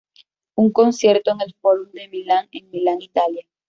Un concierto en el Fórum de Milán en Milán, Italia.